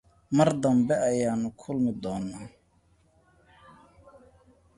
We'll meet up again briefly later.